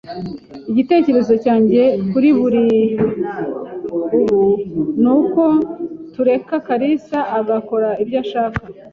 Igitekerezo cyanjye kuri ubu nuko tureka kalisa agakora ibyo ashaka.